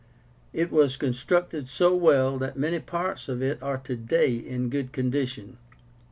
It was constructed so well that many parts of it are today in good condition.